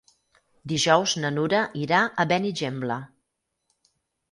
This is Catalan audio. Dijous na Nura irà a Benigembla.